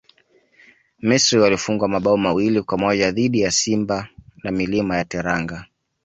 misri walifungwa mabao mawili kwa moja dhidi ya simba wa milima ya teranga